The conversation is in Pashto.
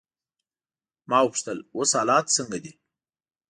ما وپوښتل: اوس حالات څنګه دي؟